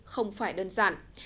không phải đơn giản